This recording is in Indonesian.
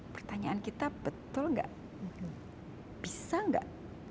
pertanyaan kita betul nggak bisa nggak